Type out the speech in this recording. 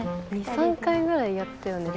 ２３回ぐらいやったよね